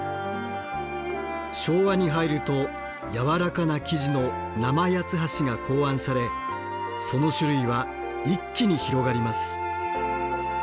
昭和に入るとやわらかな生地の生八ツ橋が考案されその種類は一気に広がります。